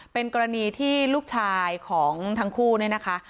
เป็นกรณีที่ลูกชายของทั้งคู่เนี่ยนะคะ